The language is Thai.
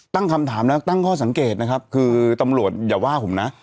ตั้งคำถามแล้วตั้งข้อสังเกตนะครับคือตำรวจอย่าว่าผมนะ